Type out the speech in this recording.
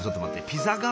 ピザ窯？